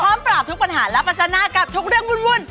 ปราบทุกปัญหาและปัจจนากับทุกเรื่องวุ่น